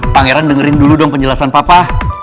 pangeran dengerin dulu dong penjelasan papa